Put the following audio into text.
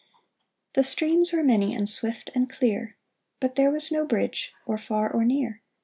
The streams were many and swift and clear ; But there was no bridge, or far or near.